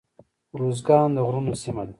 ارزګان د غرونو سیمه ده